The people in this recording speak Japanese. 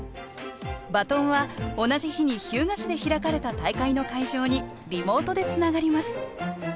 バトンは同じ日に日向市で開かれた大会の会場にリモートでつながります